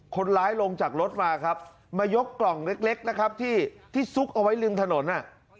คนร้ายลงจากรถมาครับมายกกล่องเล็กนะครับที่ซุกเอาไว้ริมถนน